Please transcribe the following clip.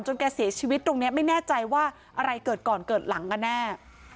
แกเสียชีวิตตรงนี้ไม่แน่ใจว่าอะไรเกิดก่อนเกิดหลังกันแน่